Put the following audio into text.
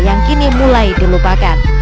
yang kini mulai dilupakan